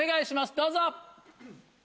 どうぞ。